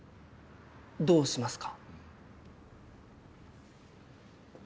どうしますか？